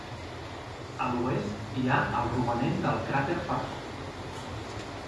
A l'oest hi ha el romanent del cràter Parrot.